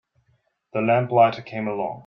The lamplighter came along.